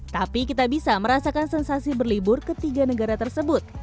tapi kita bisa merasakan sensasi berlibur ketiga negara tersebut